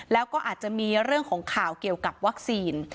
แล้วก็อาจจะมีเรื่องของข่าวเกี่ยวกับวัคซีน